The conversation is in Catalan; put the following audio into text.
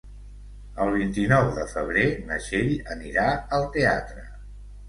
El vint-i-nou de febrer na Txell anirà al teatre.